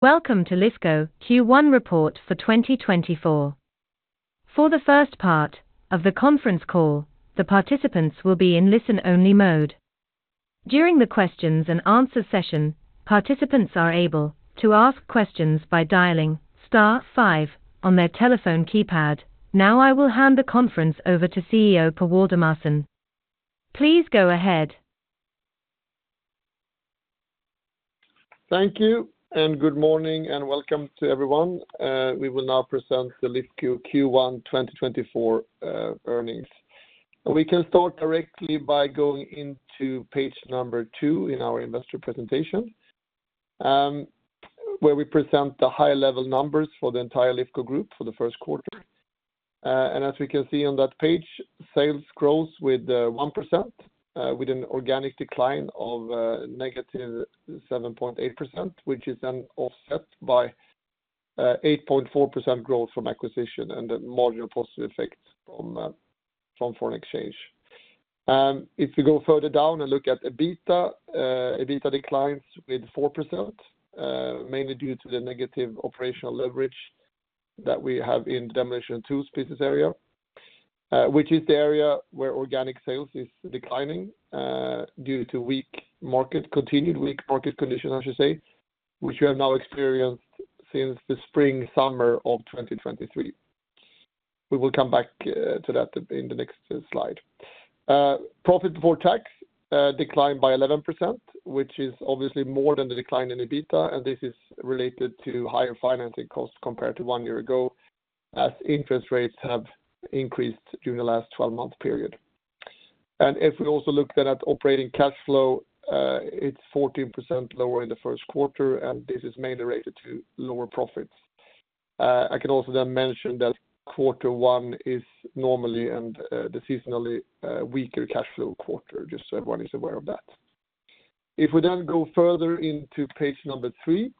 Welcome to Lifco Q1 report for 2024. For the first part of the conference call, the participants will be in listen-only mode. During the questions-and-answers session, participants are able to ask questions by dialing star five on their telephone keypad. Now I will hand the conference over to CEO Per Waldemarson. Please go ahead. Thank you, and good morning, and welcome to everyone. We will now present the Lifco Q1 2024 earnings. We can start directly by going into page number two in our investor presentation, where we present the high-level numbers for the entire Lifco group for the first quarter. As we can see on that page, sales grows with 1%, with an organic decline of -7.8%, which is then offset by 8.4% growth from acquisition and the marginal positive effects from foreign exchange. If we go further down and look at EBITA, EBITA declines with 4%, mainly due to the negative operational leverage that we have in the Demolition and Tools business area, which is the area where organic sales is declining due to continued weak market conditions, I should say, which we have now experienced since the spring/summer of 2023. We will come back to that in the next slide. Profit before tax declined by 11%, which is obviously more than the decline in EBITA, and this is related to higher financing costs compared to one year ago as interest rates have increased during the last 12-month period. If we also look then at operating cash flow, it's 14% lower in the first quarter, and this is mainly related to lower profits. I can also then mention that quarter one is normally and the seasonally weaker cash flow quarter, just so everyone is aware of that. If we then go further into page number three,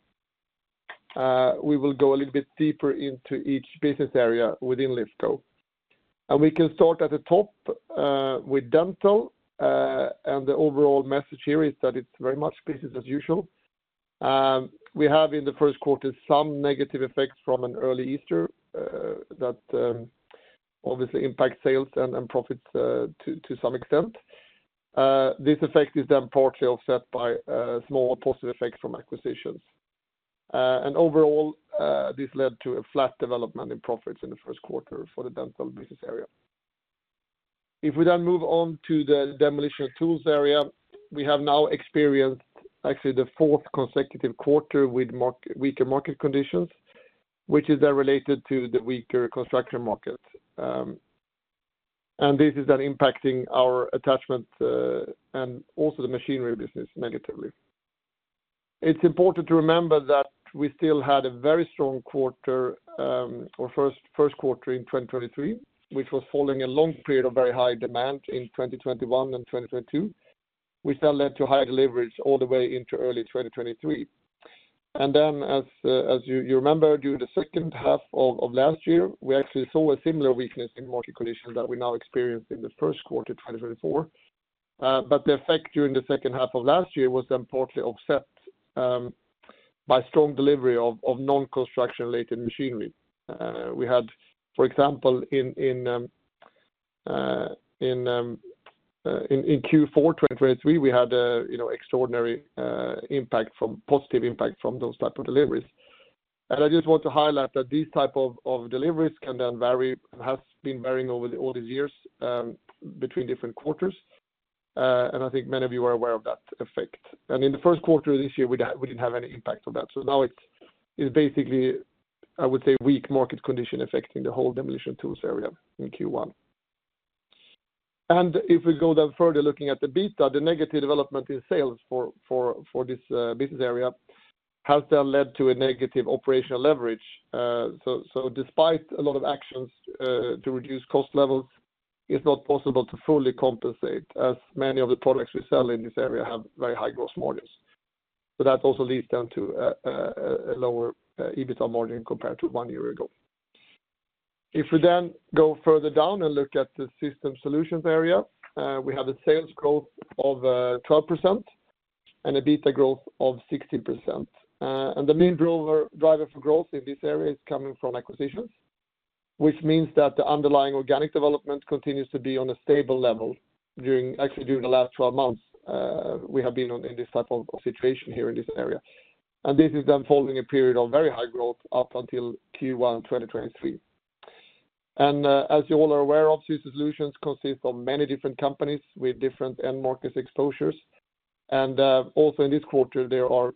we will go a little bit deeper into each business area within Lifco. We can start at the top with Dental, and the overall message here is that it's very much business as usual. We have in the first quarter some negative effects from an early Easter that obviously impact sales and profits to some extent. This effect is then partially offset by small positive effects from acquisitions. Overall, this led to a flat development in profits in the first quarter for the Dental business area. If we then move on to the Demolition and Tools area, we have now experienced actually the fourth consecutive quarter with weaker market conditions, which is then related to the weaker construction market. This is then impacting our attachment and also the machinery business negatively. It's important to remember that we still had a very strong quarter or first quarter in 2023, which was following a long period of very high demand in 2021 and 2022, which then led to higher deliveries all the way into early 2023. And then, as you remember, during the second half of last year, we actually saw a similar weakness in market conditions that we now experienced in the first quarter 2024. But the effect during the second half of last year was then partly offset by strong delivery of non-construction-related machinery. For example, in Q4 2023, we had an extraordinary positive impact from those types of deliveries. And I just want to highlight that these types of deliveries can then vary and have been varying over all these years between different quarters. And I think many of you are aware of that effect. And in the first quarter of this year, we didn't have any impact of that. So now it's basically, I would say, weak market condition affecting the whole Demolition Tools area in Q1. And if we go then further looking at the EBITA, the negative development in sales for this business area has then led to a negative operational leverage. So despite a lot of actions to reduce cost levels, it's not possible to fully compensate as many of the products we sell in this area have very high gross margins. So that also leads down to a lower EBITA margin compared to one year ago. If we then go further down and look at the Systems Solutions area, we have a sales growth of 12% and an EBITA growth of 16%. And the main driver for growth in this area is coming from acquisitions, which means that the underlying organic development continues to be on a stable level, actually during the last 12 months we have been in this type of situation here in this area. This is then following a period of very high growth up until Q1 2023. As you all are aware of, Systems Solutions consists of many different companies with different end-markets exposures. Also in this quarter, there are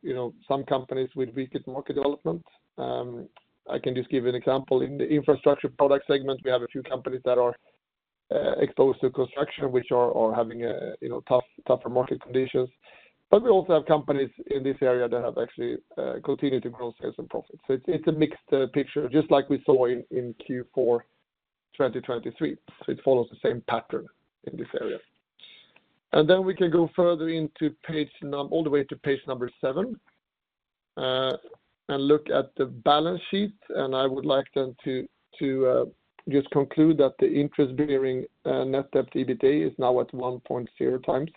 some companies with weak market development. I can just give you an example. In the Infrastructure Product segment, we have a few companies that are exposed to construction, which are having tougher market conditions. But we also have companies in this area that have actually continued to grow sales and profits. It's a mixed picture, just like we saw in Q4 2023. It follows the same pattern in this area. Then we can go further all the way to page seven and look at the balance sheet. I would like then to just conclude that the interest-bearing net debt EBITDA is now at 1.0x,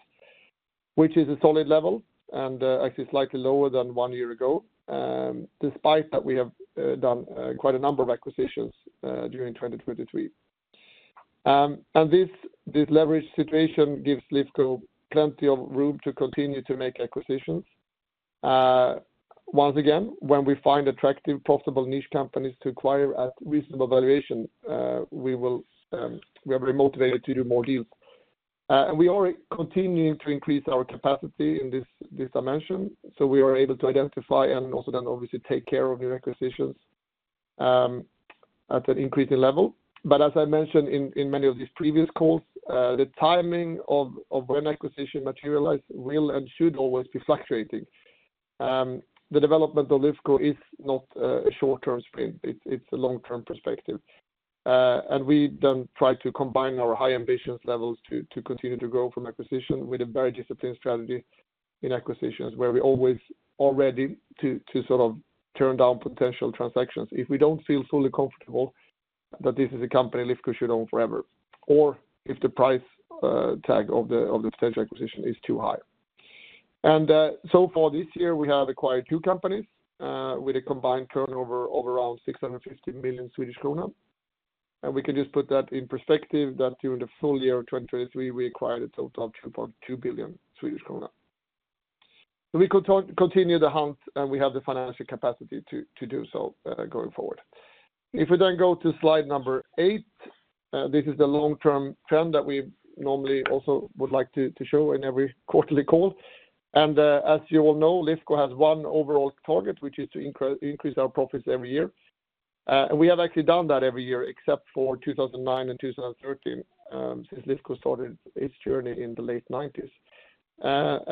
which is a solid level and actually slightly lower than one year ago, despite that we have done quite a number of acquisitions during 2023. This leverage situation gives Lifco plenty of room to continue to make acquisitions. Once again, when we find attractive, profitable niche companies to acquire at reasonable valuation, we are very motivated to do more deals. We are continuing to increase our capacity in this dimension. We are able to identify and also then obviously take care of new acquisitions at an increasing level. As I mentioned in many of these previous calls, the timing of when acquisition materializes will and should always be fluctuating. The development of Lifco is not a short-term sprint. It's a long-term perspective. We then try to combine our high ambitions levels to continue to grow from acquisition with a very disciplined strategy in acquisitions where we always are ready to sort of turn down potential transactions if we don't feel fully comfortable that this is a company Lifco should own forever or if the price tag of the potential acquisition is too high. So far this year, we have acquired two companies with a combined turnover of around 650 million Swedish krona. We can just put that in perspective that during the full year of 2023, we acquired a total of 2.2 billion Swedish krona. We continue the hunt, and we have the financial capacity to do so going forward. If we then go to slide number eight, this is the long-term trend that we normally also would like to show in every quarterly call. As you all know, Lifco has one overall target, which is to increase our profits every year. We have actually done that every year except for 2009 and 2013 since Lifco started its journey in the late 1990s.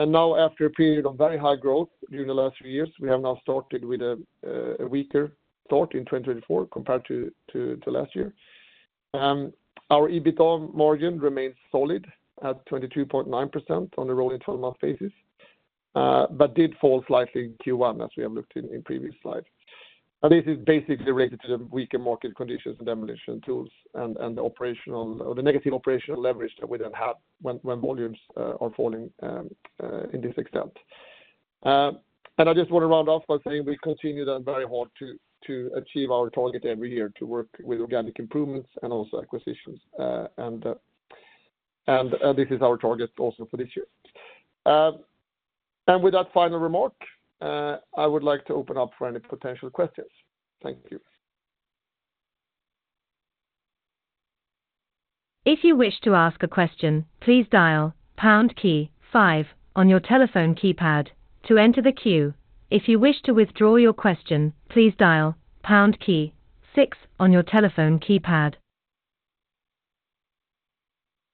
Now, after a period of very high growth during the last three years, we have now started with a weaker start in 2024 compared to last year. Our EBITA margin remains solid at 22.9% on a rolling 12-month basis but did fall slightly in Q1 as we have looked in previous slides. This is basically related to the weaker market conditions and demolition tools and the negative operational leverage that we then have when volumes are falling in this extent. I just want to round off by saying we continue then very hard to achieve our target every year to work with organic improvements and also acquisitions. This is our target also for this year. With that final remark, I would like to open up for any potential questions. Thank you. If you wish to ask a question, please dial pound key five on your telephone keypad to enter the queue. If you wish to withdraw your question, please dial pound key six on your telephone keypad.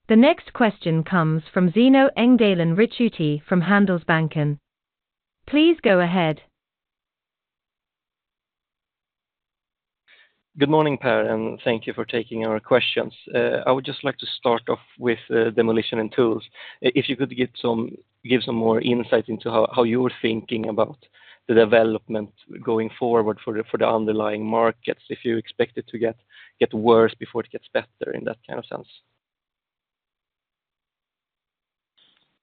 The next question comes from Zino Engdalen Ricciuti from Handelsbanken. Please go ahead. Good morning, Per, and thank you for taking our questions. I would just like to start off with Demolition and Tools. If you could give some more insight into how you're thinking about the development going forward for the underlying markets, if you expect it to get worse before it gets better in that kind of sense?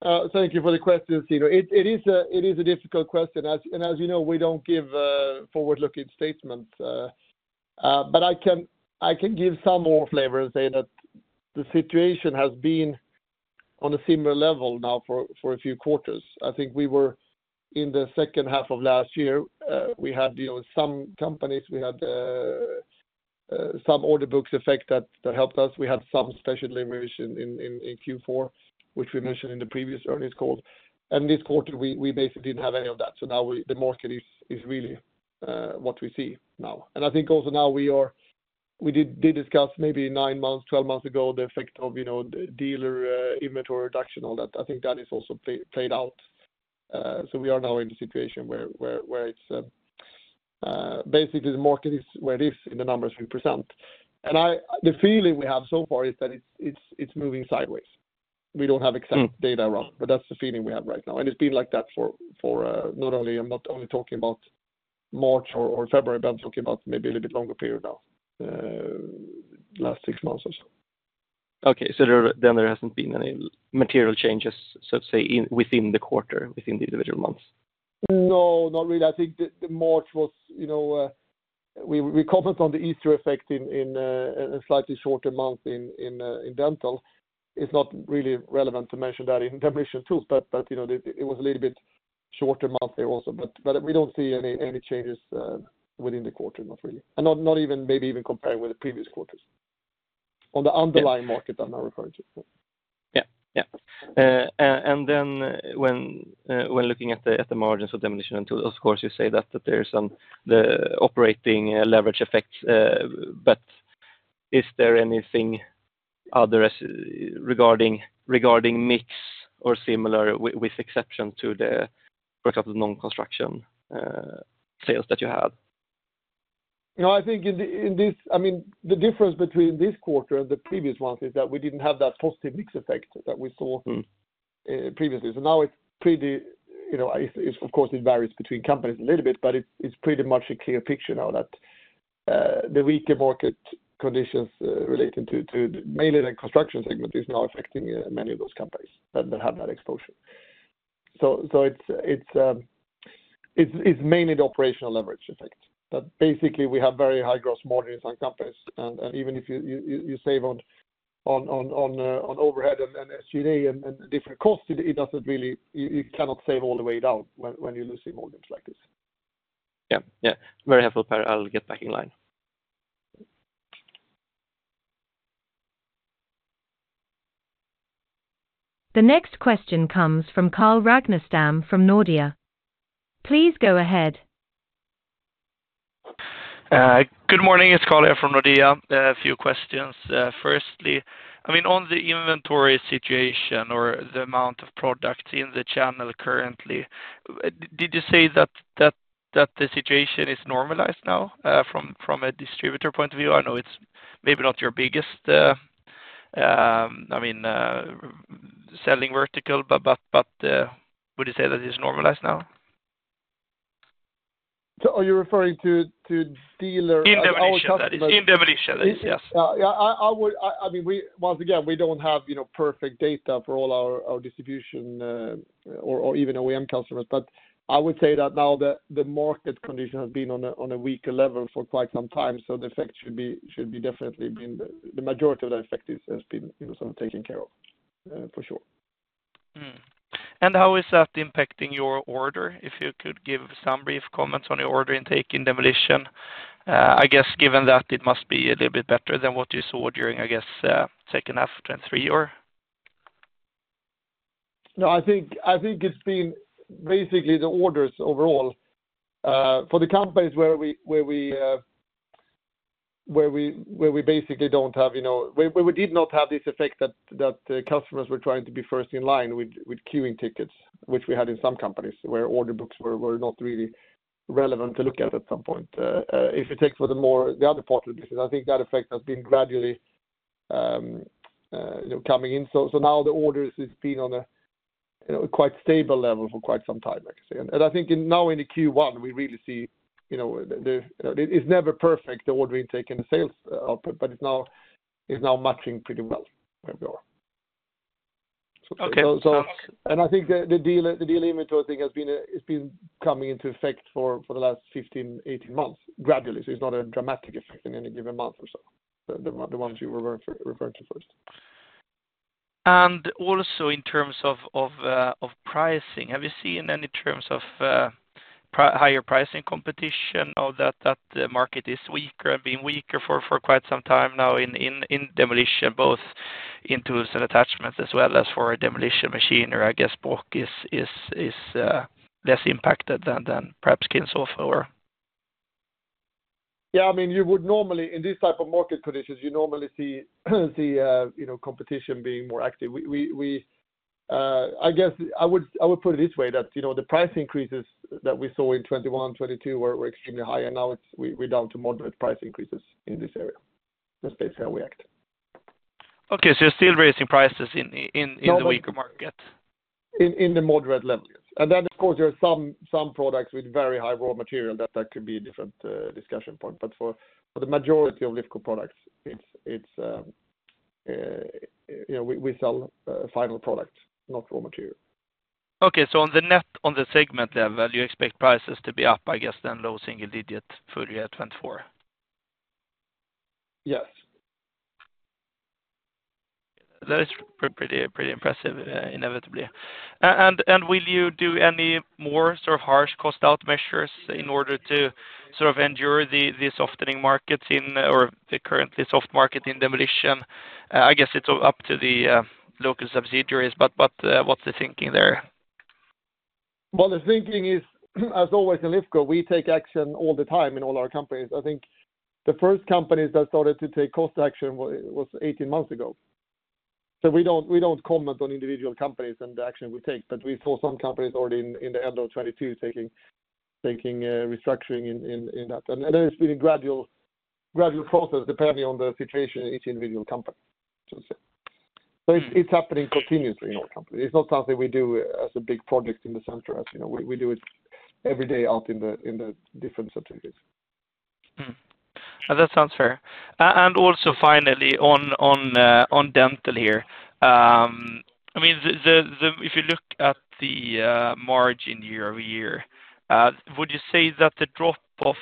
Thank you for the question, Zino. It is a difficult question. And as you know, we don't give forward-looking statements. But I can give some more flavor and say that the situation has been on a similar level now for a few quarters. I think we were in the second half of last year. We had some companies. We had some order books effect that helped us. We had some special delivery in Q4, which we mentioned in the previous earnings call. And this quarter, we basically didn't have any of that. So now the market is really what we see now. And I think also now we did discuss maybe nine months, 12 months ago, the effect of dealer inventory reduction, all that. I think that has also played out. We are now in the situation where it's basically the market is where it is in the 3%. The feeling we have so far is that it's moving sideways. We don't have exact data around, but that's the feeling we have right now. It's been like that for not only March or February. I'm talking about maybe a little bit longer period now, last six months or so. Okay. So then there hasn't been any material changes, so to say, within the quarter, within the individual months? No, not really. I think March was we commented on the Easter effect in a slightly shorter month in Dental. It's not really relevant to mention that in Demolition and Tools, but it was a little bit shorter month there also. But we don't see any changes within the quarter, not really. And not even maybe even comparing with the previous quarters on the underlying market I'm now referring to. Yeah. Yeah. And then when looking at the margins of Demolition and Tools, of course, you say that there's some operating leverage effects. But is there anything other regarding mix or similar with exception to, for example, the non-construction sales that you had? No, I think in this I mean, the difference between this quarter and the previous ones is that we didn't have that positive mix effect that we saw previously. So now it's pretty, of course, it varies between companies a little bit, but it's pretty much a clear picture now that the weaker market conditions relating to mainly the construction segment is now affecting many of those companies that have that exposure. So it's mainly the operational leverage effect. But basically, we have very high gross margin in some companies. And even if you save on overhead and SG&A and different costs, it doesn't really—you cannot save all the way down when you lose the volumes like this. Yeah. Yeah. Very helpful, Per. I'll get back in line. The next question comes from Carl Ragnerstam from Nordea. Please go ahead. Good morning. It's Carl here from Nordea. A few questions. Firstly, I mean, on the inventory situation or the amount of products in the channel currently, did you say that the situation is normalized now from a distributor point of view? I know it's maybe not your biggest, I mean, selling vertical, but would you say that it's normalized now? So are you referring to dealer and our customers? In Demolition. In Demolition, yes. Yeah. Yeah. I mean, once again, we don't have perfect data for all our distribution or even OEM customers. But I would say that now the market condition has been on a weaker level for quite some time. So the effect should be definitely been the majority of that effect has been sort of taken care of for sure. How is that impacting your order? If you could give some brief comments on your order intake in Demolition, I guess, given that it must be a little bit better than what you saw during, I guess, second half of 2023 or? No, I think it's been basically the orders overall. For the companies where we basically don't have where we did not have this effect that customers were trying to be first in line with queuing tickets, which we had in some companies where order books were not really relevant to look at, at some point. If you take for the other part of the business, I think that effect has been gradually coming in. So now the orders have been on a quite stable level for quite some time, I can say. And I think now in the Q1, we really see the, it's never perfect, the order intake and the sales output, but it's now matching pretty well where we are. And I think the dealer inventory, I think, has been coming into effect for the last 15, 18 months, gradually. It's not a dramatic effect in any given month or so. The ones you were referring to first. Also in terms of pricing, have you seen any terms of higher pricing competition or that the market is weaker and been weaker for quite some time now in Demolition, both in tools and attachments as well as for a demolition machine or, I guess, Brokk is less impacted than perhaps Kinshofer or? Yeah. I mean, you would normally in this type of market conditions, you normally see competition being more active. I guess I would put it this way, that the price increases that we saw in 2021, 2022 were extremely high, and now we're down to moderate price increases in this area. That's basically how we act. Okay. So you're still raising prices in the weaker market? In the moderate level, yes. And then, of course, there are some products with very high raw material that could be a different discussion point. But for the majority of Lifco products, we sell final product, not raw material. Okay. So on the segment level, you expect prices to be up, I guess, than low single digit fully at 2024? Yes. That is pretty impressive, inevitably. Will you do any more sort of harsh cost-out measures in order to sort of endure the softening markets or the currently soft market in Demolition? I guess it's up to the local subsidiaries. What's the thinking there? Well, the thinking is, as always in Lifco, we take action all the time in all our companies. I think the first companies that started to take cost action was 18 months ago. So we don't comment on individual companies and the action we take. But we saw some companies already in the end of 2022 taking restructuring in that. And then it's been a gradual process depending on the situation in each individual company, shall I say. So it's happening continuously in our company. It's not something we do as a big project in the center. We do it every day out in the different subsidiaries. That sounds fair. And also, finally, on Dental here, I mean, if you look at the margin year-over-year, would you say that the drop of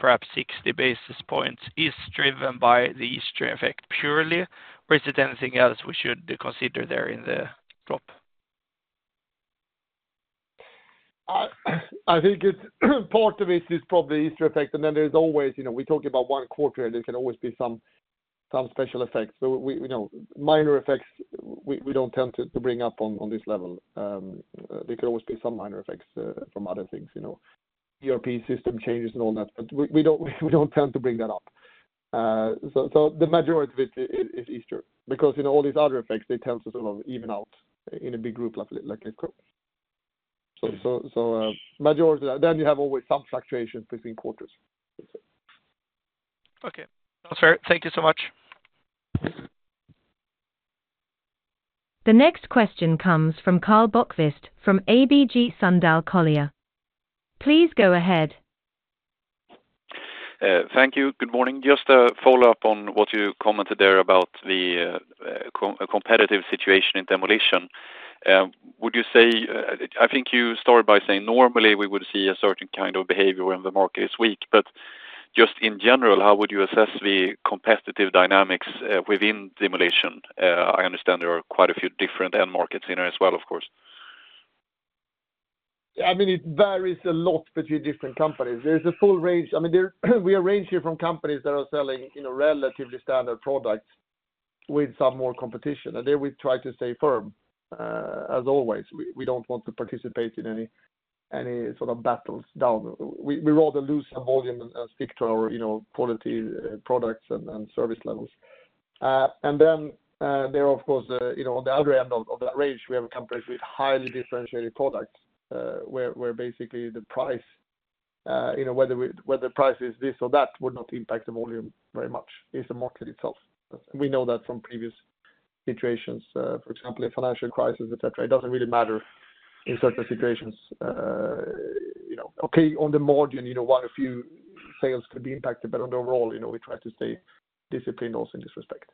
perhaps 60 basis points is driven by the Easter effect purely, or is it anything else we should consider there in the drop? I think part of it is probably Easter effect. And then there's always we talk about one quarter, and there can always be some special effects. So minor effects, we don't tend to bring up on this level. There could always be some minor effects from other things, ERP system changes and all that. But we don't tend to bring that up. So, the majority of it is Easter because all these other effects, they tend to sort of even out in a big group like Lifco. So, majority of that. Then you have always some fluctuations between quarters, let's say. Okay. Sounds fair. Thank you so much. The next question comes from Karl Bokvist from ABG Sundal Collier. Please go ahead. Thank you. Good morning. Just to follow up on what you commented there about the competitive situation in Demolition, would you say I think you started by saying normally, we would see a certain kind of behavior when the market is weak. But just in general, how would you assess the competitive dynamics within Demolition? I understand there are quite a few different end markets in there as well, of course. Yeah. I mean, it varies a lot between different companies. There's a full range, I mean, we arrange here from companies that are selling relatively standard products with some more competition. And there we try to stay firm as always. We don't want to participate in any sort of battles down. We rather lose some volume and stick to our quality products and service levels. And then there, of course, on the other end of that range, we have companies with highly differentiated products where basically the price, whether the price is this or that, would not impact the volume very much is the market itself. We know that from previous situations, for example, a financial crisis, etc. It doesn't really matter in certain situations. Okay, on the margin, one of few sales could be impacted, but on the overall, we try to stay disciplined also in this respect.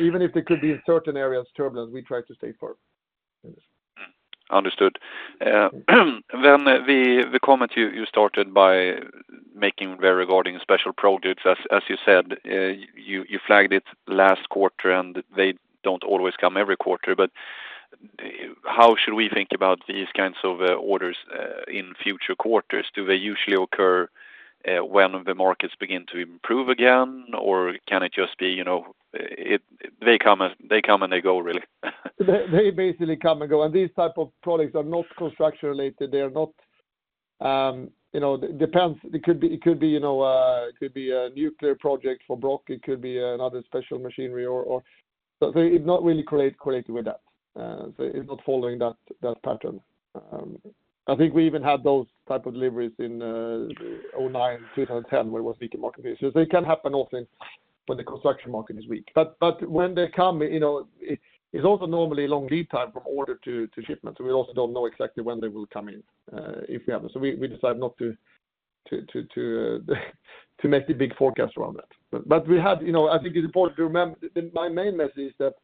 Even if there could be certain areas turbulent, we try to stay firm in this. Understood. Then the comment you started by making regarding special products. As you said, you flagged it last quarter, and they don't always come every quarter. But how should we think about these kinds of orders in future quarters? Do they usually occur when the markets begin to improve again, or can it just be they come and they go, really? They basically come and go. These types of products are not construction related. They are not dependent. It could be a nuclear project for Brokk. It could be another special machinery. So it's not really correlated with that. So it's not following that pattern. I think we even had those types of deliveries in 2009, 2010, where it was weaker market days. So it can happen often when the construction market is weak. But when they come, it's also normally a long lead time from order to shipment. So we also don't know exactly when they will come in if we have them. So we decide not to make the big forecast around that. But we had. I think it's important to remember my main message is that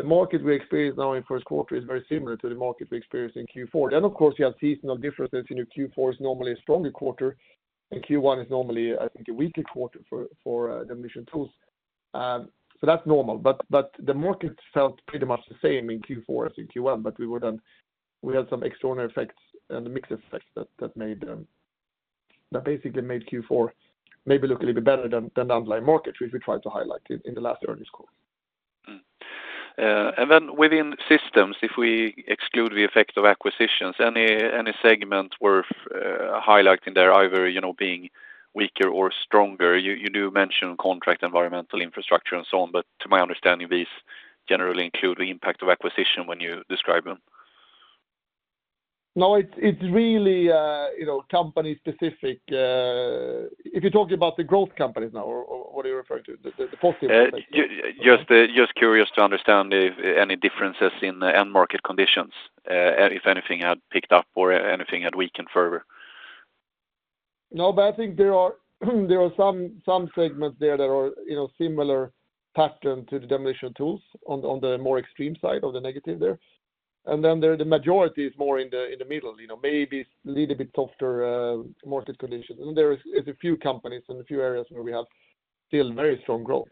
the market we experience now in first quarter is very similar to the market we experience in Q4. Then, of course, you have seasonal differences. Q4 is normally a stronger quarter. And Q1 is normally, I think, a weaker quarter for Demolition and Tools. So that's normal. But the market felt pretty much the same in Q4 as in Q1. But we had some extraordinary effects and mixed effects that basically made Q4 maybe look a little bit better than the underlying market, which we tried to highlight in the last earnings quarter. And then within systems, if we exclude the effect of acquisitions, any segment worth highlighting there, either being weaker or stronger? You do mention Contract, Environmental, Infrastructure, and so on. But to my understanding, these generally include the impact of acquisition when you describe them. No, it's really company specific. If you're talking about the growth companies now, what are you referring to, the positive aspects? Just curious to understand any differences in end market conditions, if anything had picked up or anything had weakened further. No, but I think there are some segments there that are similar pattern to the Demolition Tools on the more extreme side of the negative there. And then the majority is more in the middle, maybe a little bit softer market conditions. And there are a few companies and a few areas where we have still very strong growth,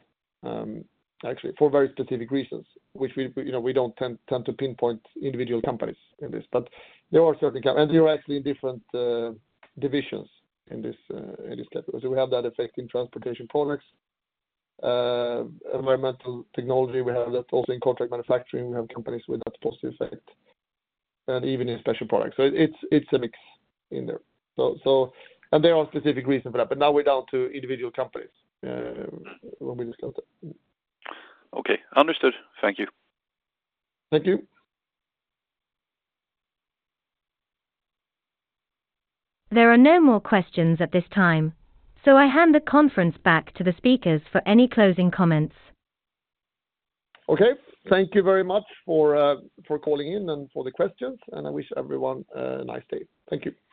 actually, for very specific reasons, which we don't tend to pinpoint individual companies in this. But there are certain and they are actually in different divisions in this category. So we have that effect in Transportation Products. Environmental Technology, we have that. Also in Contract Manufacturing, we have companies with that positive effect, and even in Special Products. So, it's a mix in there. And there are specific reasons for that. But now we're down to individual companies when we discuss that. Okay. Understood. Thank you. Thank you. There are no more questions at this time, so I hand the conference back to the speakers for any closing comments. Okay. Thank you very much for calling in and for the questions. I wish everyone a nice day. Thank you.